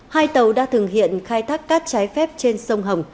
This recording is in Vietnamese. hai tàu đã thường hiện khai thác cát trái phép trên sông hồng